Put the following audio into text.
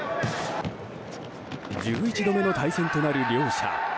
１１度目の対戦となる両者。